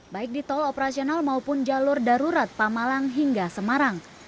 baik di tol operasional maupun jalur darurat pamalang hingga semarang